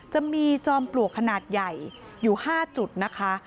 จะมีจอมปลวกขนาดใหญ่อยู่๕จุดนะคะ